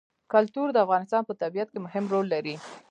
کلتور د افغانستان په طبیعت کې مهم رول لري.